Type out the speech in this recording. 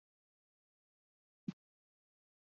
鸻刺缘吸虫为棘口科刺缘属的动物。